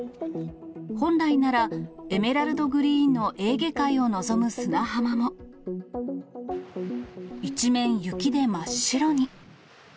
本来なら、エメラルドグリーンのエーゲ海を望む砂浜も、一面、雪で真っ白に。